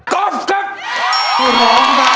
ก็คือ